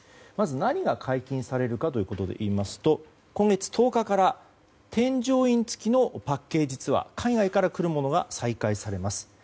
何が解禁されるかといいますと今月１０日から添乗員付きのパッケージツアー海外から来るものが再開されます。